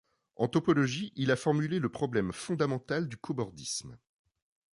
En topologie, il a formulé le problème fondamental du cobordisme.